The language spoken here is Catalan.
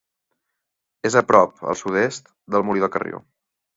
És a prop, al sud-est, del Molí de Carrió.